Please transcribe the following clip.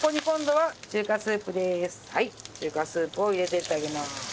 はい中華スープを入れていってあげます。